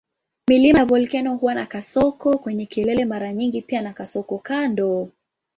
Milima ya volkeno huwa na kasoko kwenye kelele mara nyingi pia na kasoko kando.